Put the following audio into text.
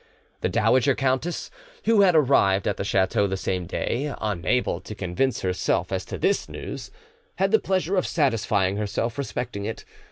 The dowager countess, who had arrived at the chateau the same day, unable to convince herself as to this news, had the pleasure of satisfying her self respecting it.